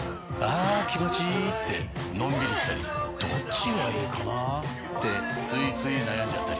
あ気持ちいいってのんびりしたりどっちがいいかなってついつい悩んじゃったり。